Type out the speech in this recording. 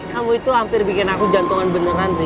kamu itu hampir bikin aku jantungan beneran sih